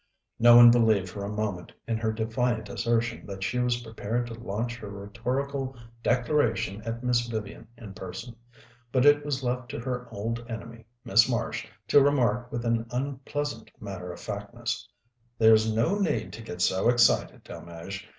No one believed for a moment in her defiant assertion that she was prepared to launch her rhetorical declaration at Miss Vivian in person; but it was left to her old enemy, Miss Marsh, to remark with an unpleasant matter of factness: "There's no need to get so excited, Delmege.